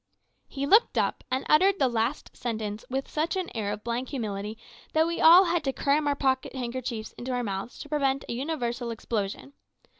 "He looked up, and uttered the last sentence with such an air of blank humility that we all had to cram our pocket handkerchiefs into our mouths to prevent a universal explosion.